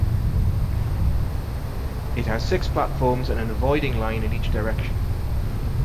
It has six platforms and an avoiding line in each direction.